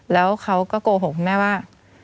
แล้วเขาก็โกหกคุณแม่ว่า